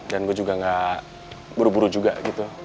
dan gue juga gak buru buru juga gitu